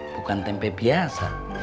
bukan tempe biasa